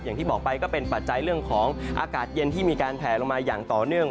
อย่างที่บอกไปก็เป็นปัจจัยเรื่องของอากาศเย็นที่มีการแผลลงมาอย่างต่อเนื่อง